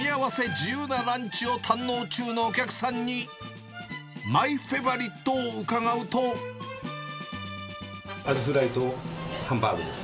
自由なランチを堪能中のお客さんに、アジフライとハンバーグです。